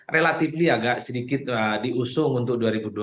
relatifly agak sedikit diusung untuk dua ribu dua puluh empat